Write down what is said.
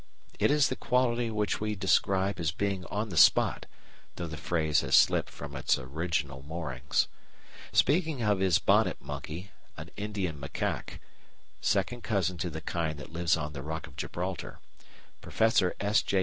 It is the quality which we describe as being on the spot, though the phrase has slipped from its original moorings. Speaking of his Bonnet Monkey, an Indian macaque, second cousin to the kind that lives on the Rock of Gibraltar, Professor S. J.